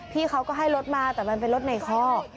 พี่เขาก็ให้รถมาแต่มันเป็นรถในคอก